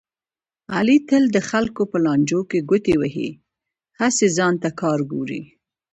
علي تل د خلکو په لانجو کې ګوتې وهي، هسې ځان ته کار ګوري.